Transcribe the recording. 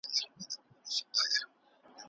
پوهان به د سياستپوهني په اړه نوي نيوکي وکړي.